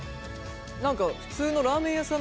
何か普通のラーメン屋さんの麺。